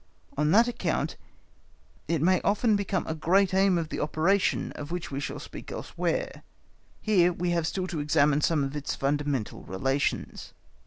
On that account it may often become a great aim of the operations of which we shall speak elsewhere. Here we have still to examine some of its fundamental relations.